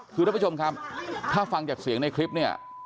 คือท่านผู้ชมครับถ้าฟังจากเสียงในคลิปเนี่ย